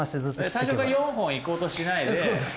最初から４本いこうとしないで。